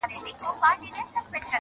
لاس یې مات وار یې خطا ګذار یې پوچ کړې,